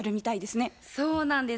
そうなんです。